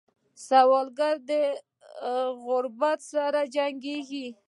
سوالګر د غربت سره جنګېږي